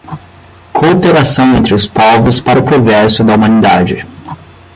cooperação entre os povos para o progresso da humanidade;